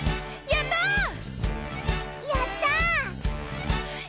やった！